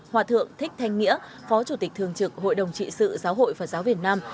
hòa thượng thích thanh nghĩa phó chủ tịch thường trực hội đồng trị sự giáo hội phật giáo việt nam